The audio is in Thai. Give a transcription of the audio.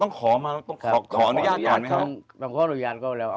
ต้องขอมาต้องขออนุญาตก่อนมั้ยแหละครับ